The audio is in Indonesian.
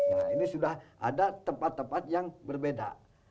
nah ini sudah ada tempat tempat yang berbeda